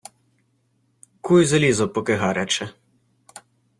Куй залізо, поки гаряче!